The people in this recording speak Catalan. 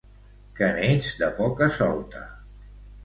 Que n'ets de poca-solta.